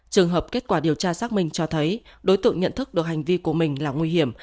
trường hợp kết quả điều tra xác minh cho thấy đối tượng nhận thức được hành vi của mình là nguy hiểm